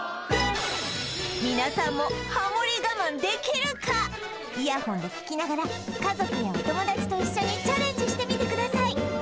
皆さんもハモリ我慢できるかイヤホンで聴きながら家族やお友達と一緒にチャレンジしてみてください